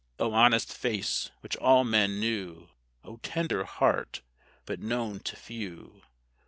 O honest face, which all men knew! O tender heart, but known to few!